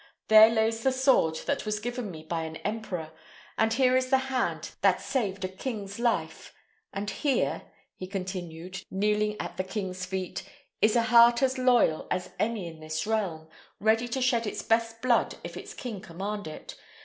There lays the sword that was given me by an emperor, and here is the hand that saved a king's life; and here," he continued, kneeling at the king's feet, "is a heart as loyal as any in this realm, ready to shed its best blood if its king command it.